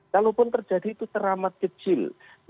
kalaupun terjadi itu teramat kecil